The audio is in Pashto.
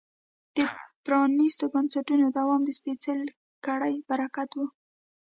د پرانیستو بنسټونو دوام د سپېڅلې کړۍ برکت و.